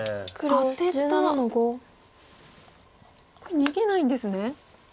これ逃げないんですね。